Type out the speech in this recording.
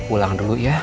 ulang dulu ya